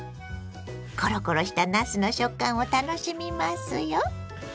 コロコロしたなすの食感を楽しみますよ。